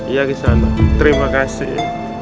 iya kisah anak terima kasih